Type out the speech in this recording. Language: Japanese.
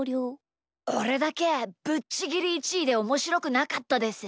おれだけぶっちぎり１いでおもしろくなかったです。